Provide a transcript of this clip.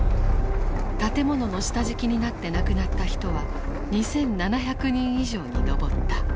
建物の下敷きになって亡くなった人は２，７００人以上に上った。